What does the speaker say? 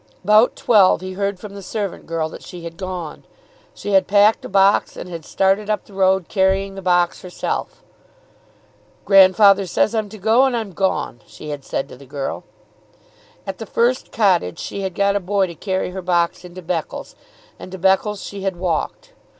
About twelve he heard from the servant girl that she had gone. She had packed a box and had started up the road carrying the box herself. "Grandfather says I'm to go, and I'm gone," she had said to the girl. At the first cottage she had got a boy to carry her box into Beccles, and to Beccles she had walked.